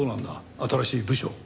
新しい部署。